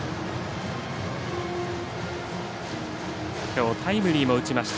きょうタイムリーも打ちました。